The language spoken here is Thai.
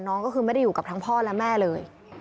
น้องก็คือไม่ได้อยู่กับทั้งพ่อและแม่เลย